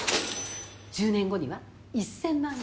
１０年後には１，０００万円。